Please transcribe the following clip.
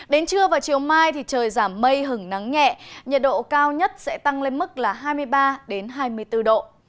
đến trưa và chiều mai thì trời giảm mây hứng nắng nhẹ nhiệt độ cao nhất sẽ tăng lên mức là hai mươi ba hai mươi bốn độ